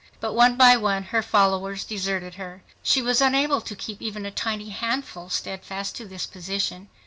But one by one her followers deserted her. She was unable to keep even a tiny handful steadfast to this position.